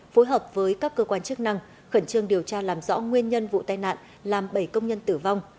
phối hợp với các cơ quan chức năng khẩn trương điều tra làm rõ nguyên nhân vụ tai nạn làm bảy công nhân tử vong